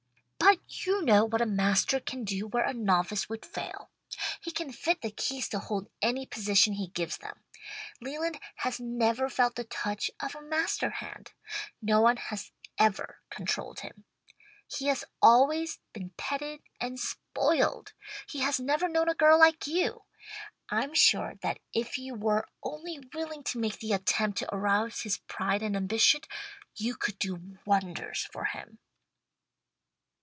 "But you know what a master can do where a novice would fail. He can fit the keys to hold any position he gives them. Leland has never felt the touch of a master hand. No one has ever controlled him. He has always been petted and spoiled. He has never known a girl like you. I'm sure that if you were only willing to make the attempt to arouse his pride and ambition, you could do wonders for him."